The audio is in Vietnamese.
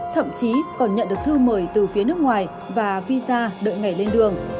thậm chí còn nhận được thư mời từ phía nước ngoài và visa đợi ngày lên đường